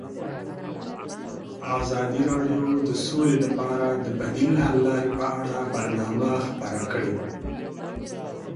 ازادي راډیو د سوله لپاره د بدیل حل لارې په اړه برنامه خپاره کړې.